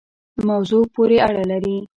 موضوع پوری اړه لری